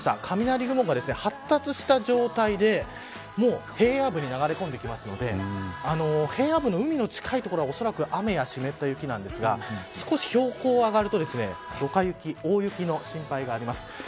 雷雲が発達した状態でもう平野部に流れ込んでくるので平野部の海の近い所はおそらく雨や湿った雪なんですが少し標高が上がるとドカ雪大雪の心配があります。